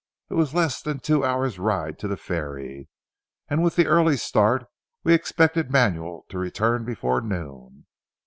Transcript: It was less than a two hours' ride to the ferry, and with the early start we expected Manuel to return before noon.